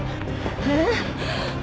えっ？